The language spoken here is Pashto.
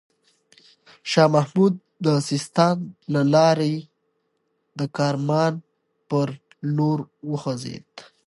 شاه محمود د سیستان له لاري د کرمان پر لور وخوځېد.